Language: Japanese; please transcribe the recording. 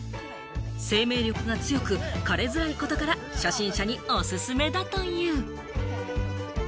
生命力が強く、枯れづらいことから初心者におすすめだという。